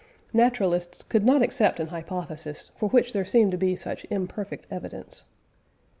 Naturalists could not accept an hypothesis for which there seemed to be such imperfect evidence.